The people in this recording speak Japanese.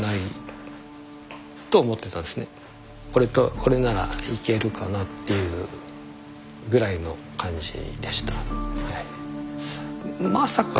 これならいけるかなというぐらいの感じでした。